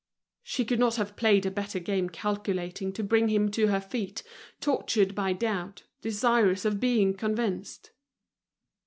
She could not have played a game better calculated to bring him to her feet, tortured by doubt, desirous of being convinced.